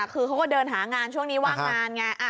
คือเขาก็เดินหางานช่วงนี้ว่างงานไง